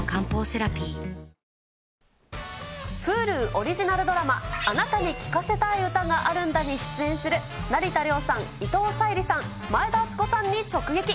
Ｈｕｌｕオリジナルドラマ、あなたに聴かせたい歌があるんだに出演する、成田凌さん、伊藤沙莉さん、前田敦子さんに直撃。